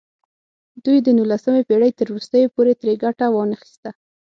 دوی د نولسمې پېړۍ تر وروستیو پورې ترې ګټه وانخیسته.